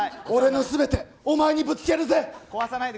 俺の全て、お前にぶつけるぜ！